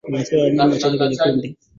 unaathiri wanyama wachache kwenye kundi